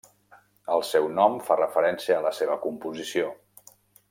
El seu nom fa referència la seva composició.